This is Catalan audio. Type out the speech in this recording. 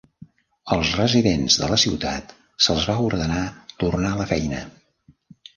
Als residents de la ciutat se'ls va ordenar tornar a la feina.